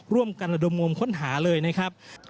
ร่วมกันระดมงมค้นหาเลยนะครับ